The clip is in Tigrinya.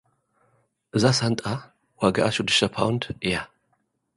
እዛ ሳንጣ ዋጋኣ ሽድሽተ ፓውንድ እያ።